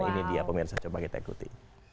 ini dia pemirsa coba kita ikuti